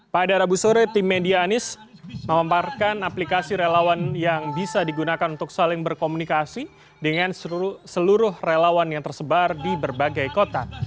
pada rabu sore tim media anis memamparkan aplikasi relawan yang bisa digunakan untuk saling berkomunikasi dengan seluruh relawan yang tersebar di berbagai kota